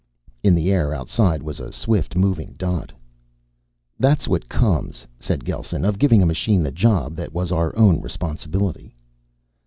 In the air outside was a swift moving dot. "That's what comes," said Gelsen, "of giving a machine the job that was our own responsibility."